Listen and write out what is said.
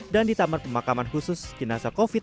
dan di taman pemakaman khusus jenazah covid sembilan belas